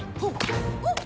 あっ！